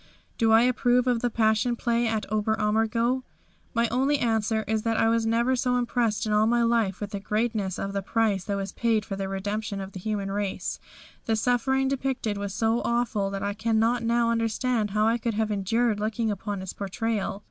Do I approve of the Passion Play at Ober Ammergau? My only answer is that I was never so impressed in all my life with the greatness of the price that was paid for the redemption of the human race. The suffering depicted was so awful that I cannot now understand how I could have endured looking upon its portrayal.